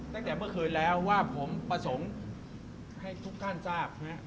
ตั้งแต่เมื่อคืนแล้วว่าผมประสงค์ให้ทุกท่านทราบ